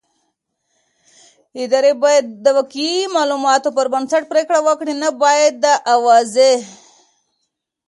ادارې بايد د واقعي معلوماتو پر بنسټ پرېکړې وکړي نه د اوازې.